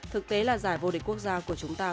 thực tế là giải vô địch quốc gia của chúng ta